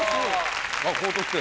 高得点。